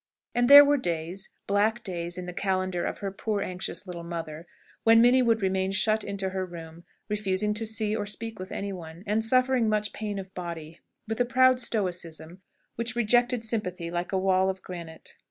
And there were days black days in the calendar of her poor anxious little mother when Minnie would remain shut into her room, refusing to see or speak with anyone, and suffering much pain of body, with a proud stoicism which rejected sympathy like a wall of granite.